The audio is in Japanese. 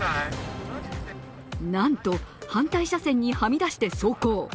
なんと反対車線にはみ出して走行。